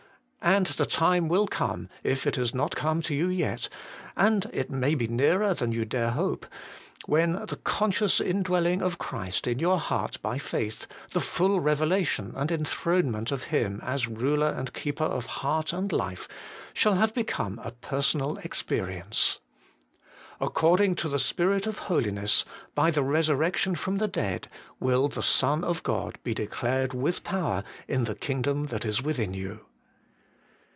And the time will come, if it has not come to you yet, and it may be nearer than you dare hope, when the conscious indwelling of Christ in your heart by faith, the full revelation and enthronement of Him as ruler and keeper of heart and life, shall have become a personal experience. According to the Spirit of holiness, by the resurrec tion from the dead, will the Son of God be declared with power in the kingdom that is within you.